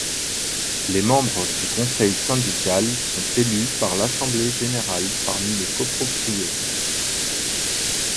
Les membres du conseil syndical sont élus par l'assemblée générale parmi les copropriétaires.